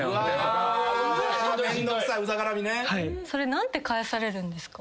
何て返されるんですか？